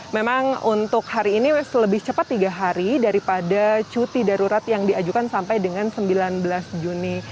memang untuk hari ini lebih cepat tiga hari daripada cuti darurat yang diajukan sampai dengan sembilan belas juni